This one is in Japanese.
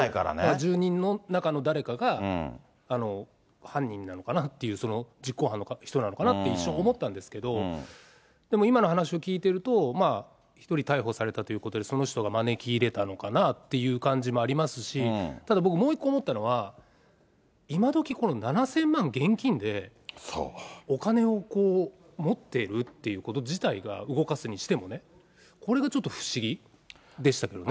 住人の中の誰かが犯人なのかなっていう、その実行犯の人なのかなって一瞬思ったんですけれども、でも今の話を聞いてると、１人逮捕されたということで、その人が招き入れたのかなあって感じもありますし、ただ、僕、もう一個思ったのが、今どきこの７０００万、現金で、お金を持ってるっていうこと自体が、動かすにしてもね、これがちょっと不思議でしたけどね。